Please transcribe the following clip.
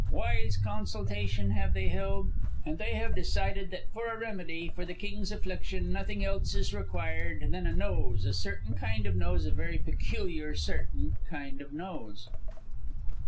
Wise consultation have they held, and they have decided that for a remedy for the King's affliction nothing else is required than a nose, a certain kind of nose, a very peculiar certain kind of nose.